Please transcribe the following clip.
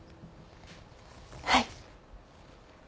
はい。